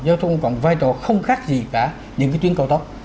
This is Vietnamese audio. giao thông công cộng vai trò không khác gì cả những cái tuyến cao tốc